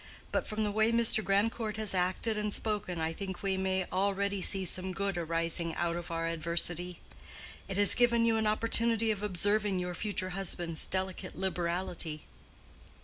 But from the way Mr. Grandcourt has acted and spoken I think we may already see some good arising out of our adversity. It has given you an opportunity of observing your future husband's delicate liberality."